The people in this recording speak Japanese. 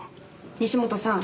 西本さん。